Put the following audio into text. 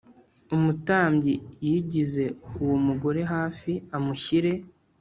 Umutambyi yigize uwo mugore hafi amushyire